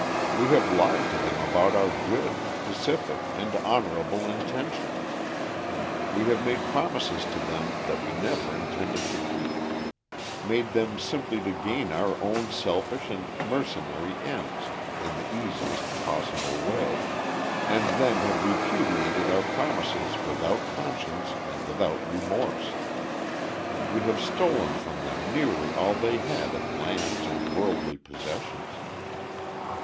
We have lied to them about our good, pacific, and honorable intentions; we have made promises to them that we never intended to keep made them simply to gain our own selfish and mercenary ends in the easiest possible way, and then have repudiated our promises without conscience and without remorse. We have stolen from them nearly all they had of lands and worldly possessions.